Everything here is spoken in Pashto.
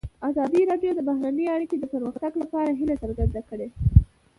ازادي راډیو د بهرنۍ اړیکې د پرمختګ په اړه هیله څرګنده کړې.